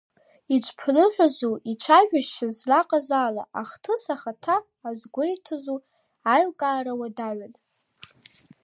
Иҽԥныҳәазу, ицәажәашьа злаҟаз ала, ахҭыс ахаҭа азгәеиҭозу аилкаара уадаҩын.